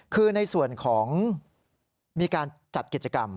คือในส่วนของมีการจัดกิจกรรม